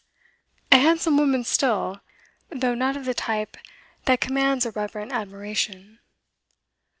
A handsome woman still, though not of the type that commands a reverent admiration.